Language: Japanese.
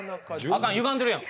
あかん、ゆがんでるやん。